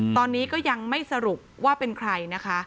ตอนนี้ก็ยังไม่สรุปว่าเป็นใครนะคะ